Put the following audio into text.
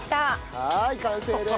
はい完成です。